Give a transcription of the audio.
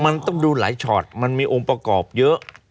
มันต้องดูหลายชอตมันมีองค์ประกอบเยอะ